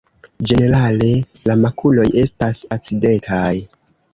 Ĝenerale la makuloj estas acidetaj.